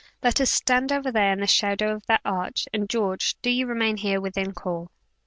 Let us stand over there in the shadow of that arch; and, George, do you remain here within call."